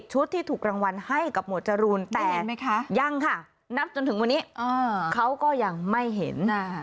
ที่ถูกรางวัลให้กับหมวดจรูนแต่ยังค่ะนับจนถึงวันนี้เขาก็ยังไม่เห็น